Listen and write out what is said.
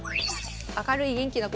明るい元気な子。